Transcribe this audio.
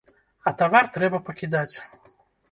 А тавар трэба пакідаць!